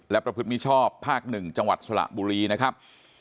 และประพฤติมิชอบภาค๑จังหวัดสระบุรีนะครับ